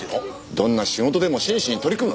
どんな仕事でも真摯に取り組む。